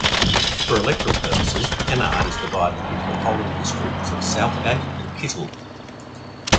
For electoral purposes, Pennard is divided into the polling districts of Southgate and Kittle.